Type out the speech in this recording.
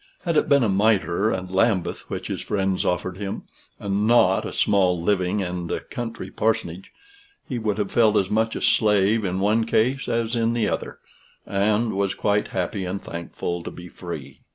Had it been a mitre and Lambeth which his friends offered him, and not a small living and a country parsonage, he would have felt as much a slave in one case as in the other, and was quite happy and thankful to be free.